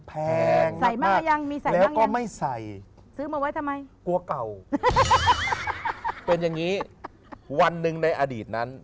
ใส่มากยังมีใส่มากยังแล้วก็ไม่ใส่กลัวเก่าเป็นอย่างนี้วันหนึ่งในอดีตนั้น